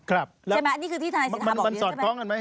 ใช่ไหมนี่คือที่ทนายสิทธาบอกใช่ไหม